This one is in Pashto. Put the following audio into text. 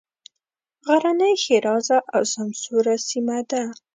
غرنۍ ښېرازه او سمسوره سیمه ده.